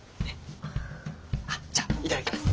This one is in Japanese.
あっじゃあ頂きます。